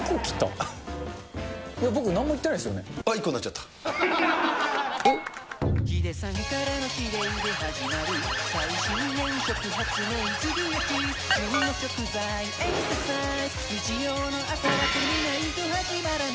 いや、僕なんも言ってないですよね。